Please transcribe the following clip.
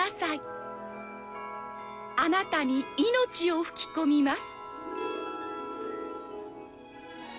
「あなたに命を吹き込みます」